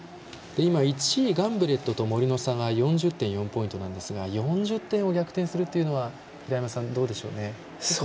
１位、ガンブレットと森の差は４０．４ポイントですが４０ポイントを逆転するというのはどうでしょうね。